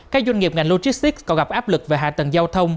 các doanh nghiệp ngành logistics còn gặp áp lực về hạ tầng giao thông